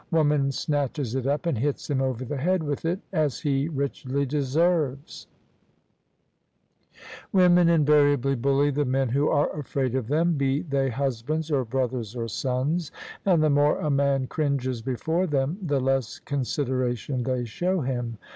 Woman snatches it up and hits him over the head with it — ^as he richly deserves. Women THE SUBJECTION OF ISABEL CARNABY invariably bully the men who are afraid of them, be they husbands or brothers or sons: and the more a man cringes before them, the less consideration they show him.